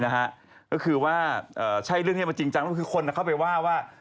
ก็คือว่าใช่เรื่องที่มันจริงจังแล้วคือคนเข้าไปว่าว่า